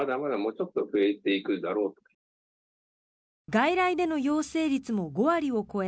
外来での陽性率も５割を超え